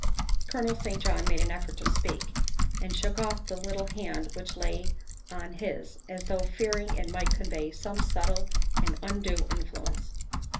Colonel St. John made an effort to speak, and shook off the little hand which lay on his as though fearing it might convey some subtle and undue influence.